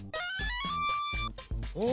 お！